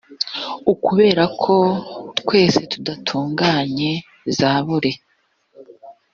ukubera ko twese tudatunganye zaburi